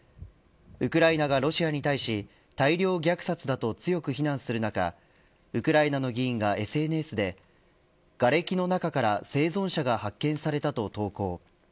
ウクライナがロシアに対大量虐殺だと強く非難する中ウクライナの議員がＳＮＳでがれきの中から生存者が発見されたと投稿。